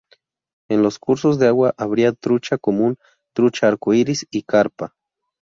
En los cursos de agua habría trucha común, trucha arco iris y carpa.